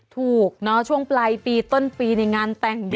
ถูกเนอะช่วงปลายปีต้นปีในงานแต่งเยอะแยะ